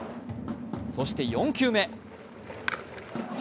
そして４球目。